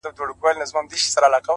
o د ژوند خوارۍ كي يك تنها پرېږدې؛